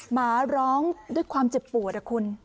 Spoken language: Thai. หมาร้องด้วยความเจ็บปวดนะคุณ